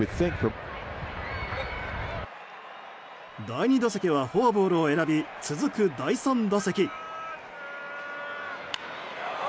第２打席はフォアボールを選び続く第３打席。